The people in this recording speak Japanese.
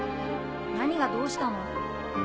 何がどうしたの？